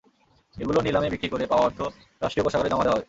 এগুলো নিলামে বিক্রি করে পাওয়া অর্থ রাষ্ট্রীয় কোষাগারে জমা দেওয়া হবে।